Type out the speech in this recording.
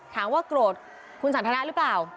ถามว่าโกรธคุณสันทนาหรือเปล่า